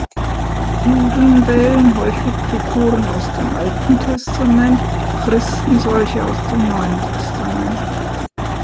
Juden wählen häufig Figuren aus dem Alten Testament, Christen solche aus dem Neuen Testament.